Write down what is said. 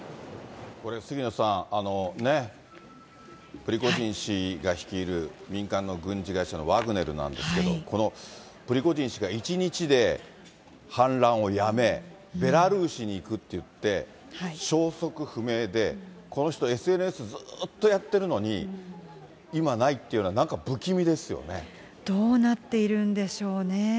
杉野さん、プリゴジン氏が率いる民間の軍事会社のワグネルなんですけど、このプリゴジン氏が１日で反乱をやめ、ベラルーシに行くって言って、消息不明で、この人、ＳＮＳずっとやってるのに、今ないっていうのは、なんか不気味でどうなっているんでしょうね。